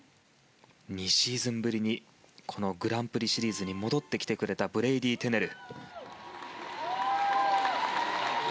２シーズンぶりにグランプリシリーズに戻ってきてくれたブレイディー・テネル。